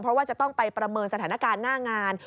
เพราะว่าจะต้องไปประเมินสถานการณ์หน้างาน